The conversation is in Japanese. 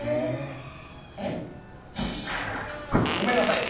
えっ？ごめんなさい！